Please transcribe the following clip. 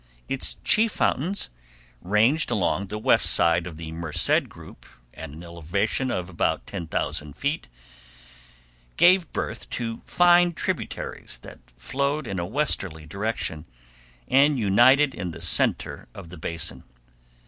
Its chief fountains, ranged along the west side of the Merced group, at an elevation of about 10,000 feet, gave birth to fine tributaries that flowed in a westerly direction, and united in the center of the basin.